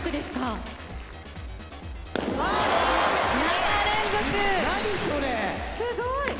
すごい。